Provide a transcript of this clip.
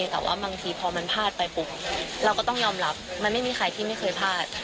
แต่ว่าบางทีพอมันพลาดไปปุ๊บเราก็ต้องยอมรับมันไม่มีใครที่ไม่เคยพลาด